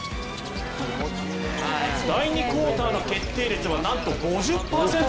第２クオーターの決定率はなんと５０％。